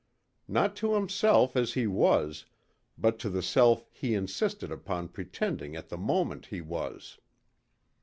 Not to himself as he was, but to the self he insisted upon pretending at the moment he was.